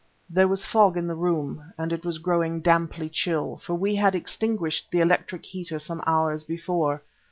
There was fog in the room, and it was growing damply chill, for we had extinguished the electric heater some hours before.